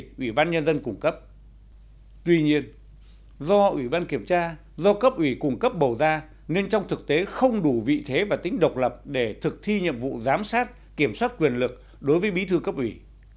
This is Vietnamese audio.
tuy nhiên ủy ban nhân dân do ủy ban kiểm tra do cấp ủy cung cấp bầu ra nên trong thực tế không đủ vị thế và tính độc lập để thực thi nhiệm vụ giám sát kiểm soát quyền lực đối với bí thư cấp ủy